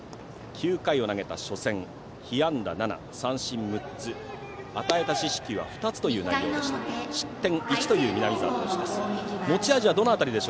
９回を投げた初戦被安打７、三振６つ与えた四死球は２つ失点１という南澤投手です。